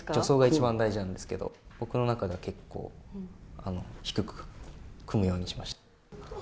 助走が一番大事なんですけど、僕の中では結構、低く組むようにしました。